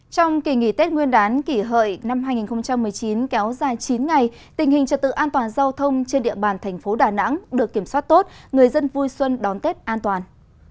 trong kỳ nghỉ tết nguyên đán kỷ hợi năm hai nghìn một mươi chín kéo dài chín ngày tình hình trật tự an toàn giao thông trên địa bàn thành phố đà nẵng được kiểm soát tốt người dân vui xuân đón tết an toàn